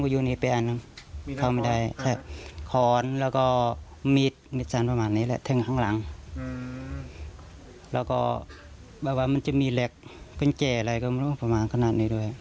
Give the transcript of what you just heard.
แย่อะไรก็ไม่รู้ประมาณขนาดนี้ด้วย